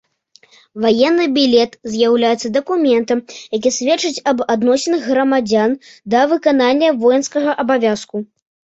Ваенны білет з'яўляецца дакументам, які сведчыць аб адносінах грамадзян да выканання воінскага абавязку.